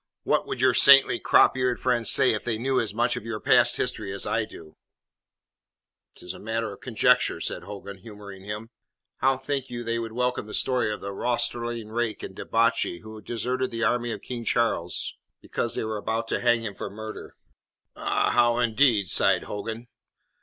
"What would your saintly, crop eared friends say if they knew as much of your past history as I do?" "Tis a matter for conjecture," said Hogan, humouring him. "How think you would they welcome the story of the roystering rake and debauchee who deserted the army of King Charles because they were about to hang him for murder?" "Ah! how, indeed?" sighed Hogan.